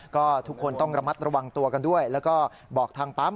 ก็ทุกคนต้องระมัดระวังตัวกันด้วยแล้วก็บอกทางปั๊ม